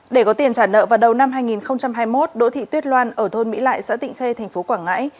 để có tiền trả nợ vào đầu năm hai nghìn hai mươi một đỗ thị tuyết loan ở thôn mỹ lại xã tịnh khê tp quảng ngãi